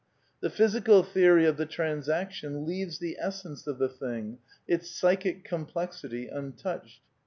The physicaTlEeory of the transaction leaves the essenSe of the thing — its psychic complexity — untouched.